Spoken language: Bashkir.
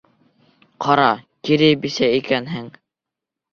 Ҡара, кире бисә икәнһең!